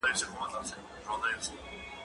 زه پرون د کتابتوننۍ سره خبري وکړې